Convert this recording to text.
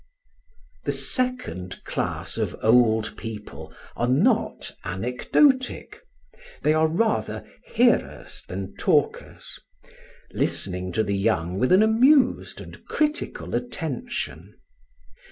The second class of old people are not anecdotic; they are rather hearers than talkers, listening to the young with an amused and critical attention.